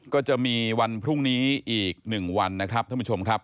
ก็จะมีวันพรุ่งนี้อีก๑วันนะครับท่านผู้ชมครับ